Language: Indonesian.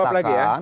jawab lagi ya